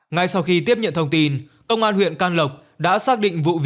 ngay sau khi tiếp nhận thông tin công an huyện can lộc đã xác định vụ việc